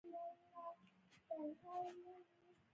هېواد ته وفادار وګړي پکار دي